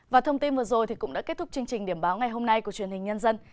và thông tin vừa rồi cũng đã kết thúc chương trình điểm báo ngày hôm nay của truyền hình nhân dân